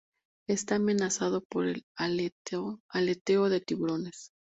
Está amenazado por el aleteo de tiburones.